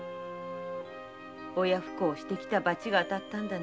「親不孝をしてきた罰が当たったんだね」